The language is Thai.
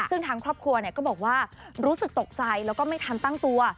ซึ่งทางครอบครัวก็บอกว่ารู้สึกตกใจแล้วก็ไม่ทันตั้งตัว